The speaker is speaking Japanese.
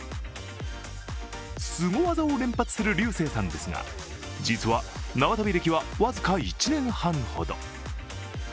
すご技を連発するリュウセイさんですが実は縄跳び歴は僅か１年半ほど。